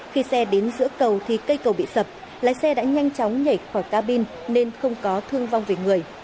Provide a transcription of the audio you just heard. khi xe đến giữa cầu thì cây cầu bị sập lái xe đã nhanh chóng nhảy khỏi cabin nên không có thương vong về người